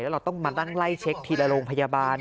แล้วเราต้องมาด้านไล่เช็คทีละโรงพยาบาล